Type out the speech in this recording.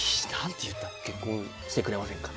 結婚してくれませんか？